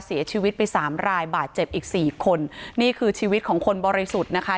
เสียชีวิตไปสามรายบาดเจ็บอีกสี่คนนี่คือชีวิตของคนบริสุทธิ์นะคะ